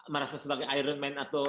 merasa sebagai iron man atau